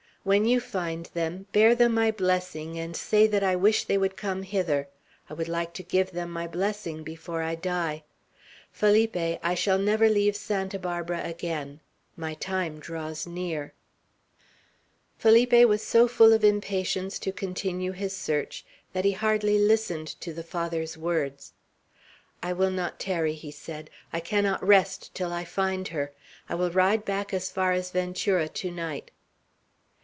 When you find them, bear them my blessing, and say that I wish they would come hither. I would like to give them my blessing before I die. Felipe, I shall never leave Santa Barbara again. My time draws near." Felipe was so full of impatience to continue his search, that he hardly listened to the Father's words. "I will not tarry," he said. "I cannot rest till I find her. I will ride back as far as Ventura to night."